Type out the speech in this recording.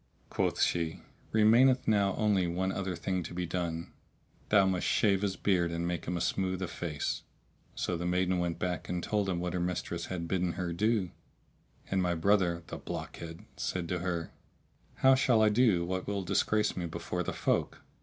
Quoth she "Remaineth now only one other thing to be done; thou must shave his beard and make him a smooth o' face."[FN#646] So the maiden went back and told him what her mistress had bidden her do; and my brother (the blockhead!) said to her, "How shall I do what will disgrace me before the folk?"